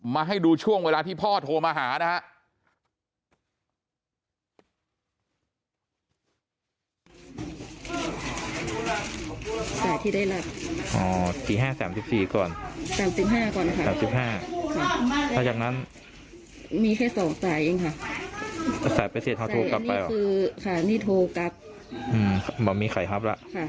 มาให้ดูช่วงเวลาที่พ่อโทรมาหานะครับ